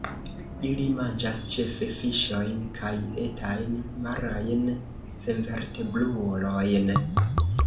Ili manĝas ĉefe fiŝojn kaj etajn marajn senvertebrulojn.